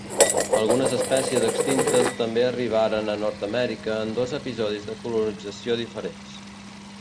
Algunes espècies extintes també arribaren a Nord-amèrica en dos episodis de colonització diferents.